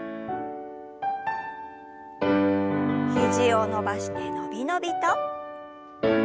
肘を伸ばして伸び伸びと。